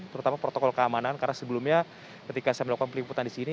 terutama protokol keamanan karena sebelumnya ketika saya melakukan peliputan di sini